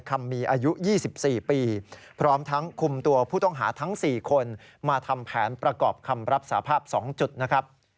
ก็ประกอบคำรับสามารถภาพ๒จุดนะครับ